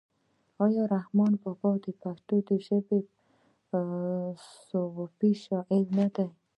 آیا رحمان بابا د پښتو صوفي شاعر نه دی؟